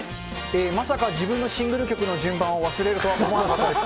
まさか自分のシングル曲の順番を忘れるとは思わなかったです。